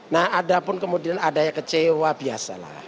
nah ada pun kemudian adanya kecewa biasa lah